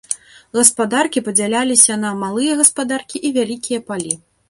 Гаспадаркі падзяляліся на малыя гаспадаркі і вялікія палі.